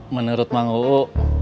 menurut mang uu